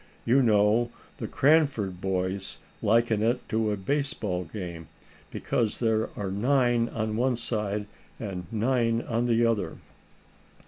You know, the Cranford boys liken it to a baseball game, because there are nine on one side and nine on the other."